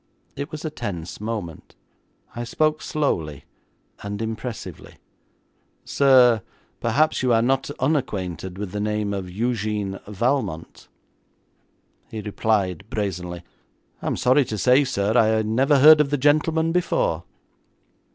It was a tense moment. I spoke slowly and impressively. 'Sir, perhaps you are not unacquainted with the name of Eugène Valmont.' He replied brazenly, 'I am sorry to say, sir, I never heard of the gentleman before.'